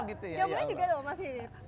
oh gitu ya jambulnya juga dong masih